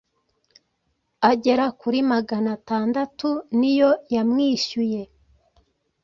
agera kuri magana atandatu niyo yamwihyuye